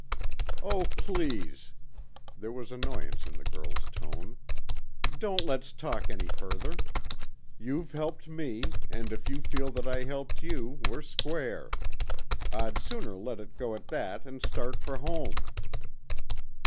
"Oh, please." There was annoyance in the girl's tone. "Don't let's talk any further. You've helped me, and if you feel that I helped you, we're square. I'd sooner let it go at that and start for home."